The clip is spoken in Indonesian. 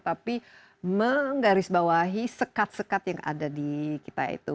tapi menggarisbawahi sekat sekat yang ada di kita itu